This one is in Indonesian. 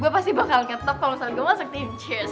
gue pasti bakal ketep kalau misalnya gue masuk team cheers